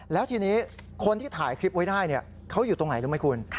แล้วทีนี้คนที่ถ่ายคลิปไว้ได้เขาอยู่ตรงไหนรู้ไหมคุณ